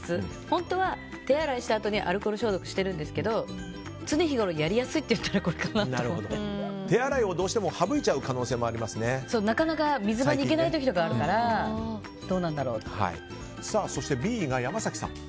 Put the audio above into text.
本当は手洗いしたあとにアルコール消毒してるんですけど常日ごろやりやすいって言ったら手洗いをどうしてもなかなか水場にそしてＢが山崎さん。